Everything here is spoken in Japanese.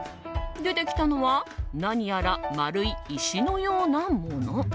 出てきたのは何やら丸い石のようなもの。